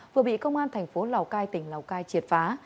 vừa bị công an thành phố lào cai tỉnh lào cai triệt phá